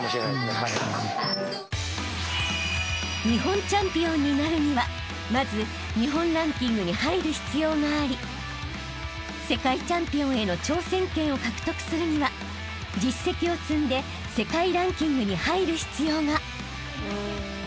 ［日本チャンピオンになるにはまず日本ランキングに入る必要があり世界チャンピオンへの挑戦権を獲得するには実績を積んで世界ランキングに入る必要が］